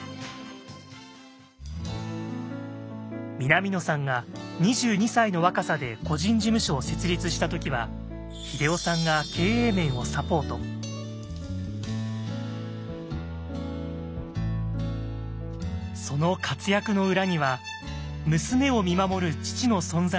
南野さんが２２歳の若さで個人事務所を設立した時は英夫さんがその活躍の裏には娘を見守る父の存在がありました。